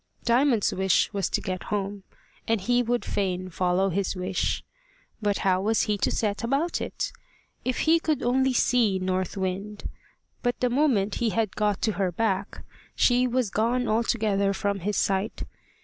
Diamond's wish was to get home, and he would fain follow his wish. But how was he to set about it? If he could only see North Wind! But the moment he had got to her back, she was gone altogether from his sight.